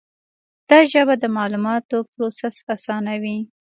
دا ژبه د معلوماتو پروسس آسانوي.